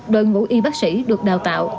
đội ngũ y bác sĩ được đào tạo